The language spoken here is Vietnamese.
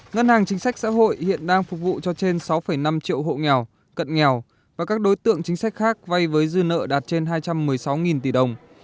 ngân hàng chính sách xã hội hiện đang phục vụ cho trên sáu năm triệu hộ nghèo cận nghèo và các đối tượng chính sách khác vay với dư nợ đạt trên hai trăm một mươi sáu tỷ đồng